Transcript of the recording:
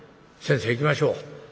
先生いきましょう。